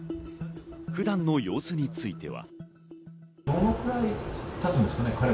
普段の様子については。